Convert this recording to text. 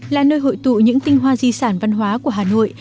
là nơi hội tụ những tinh hoa di sản văn hóa của hà nội